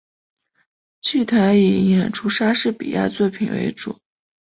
剧团以演出莎士比亚作品为主。